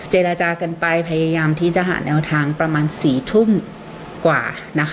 เจรจากันไปพยายามที่จะหาแนวทางประมาณ๔ทุ่มกว่านะคะ